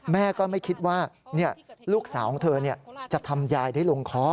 แม่ก็ไม่คิดว่าลูกสาวของเธอจะทำยายได้ลงคอ